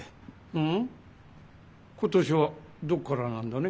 ほう今年はどこからなんだね？